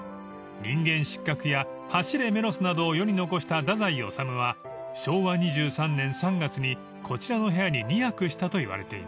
［『人間失格』や『走れメロス』などを世に残した太宰治は昭和２３年３月にこちらの部屋に２泊したといわれています］